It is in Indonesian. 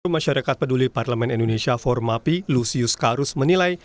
masyarakat peduli parlemen indonesia formapi lusius karus menilai